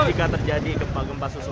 jika terjadi gempa gempa susul